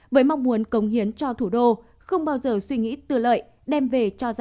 với mong muốn cống hiến cho thủ đô không bao giờ suy nghĩ tự lợi đem về cho gia đình làm hại cho nhà nước